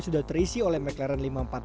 sudah terisi oleh mclaren lima ratus empat puluh